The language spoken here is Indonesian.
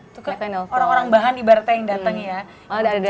itu orang orang bahan ibaratnya yang datang ya